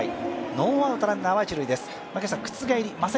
ノーアウト、ランナーは一・二塁です。